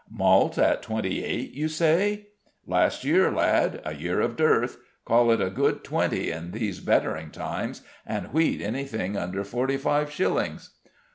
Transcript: "Malt at twenty eight, you say?" "Last year, lad a year of dearth. Call it a good twenty in these bettering times, and wheat anything under forty five shillings."